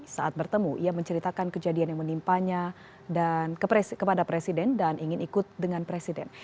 saat bertemu ia menceritakan kejadian yang menimpanya kepada presiden dan ingin ikut dengan presiden